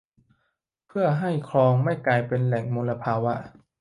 เพื่อให้คลองไม่กลายเป็นแหล่งมลภาวะ